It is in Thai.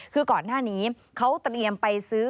คือก่อนหน้านี้เขาเตรียมไปซื้อ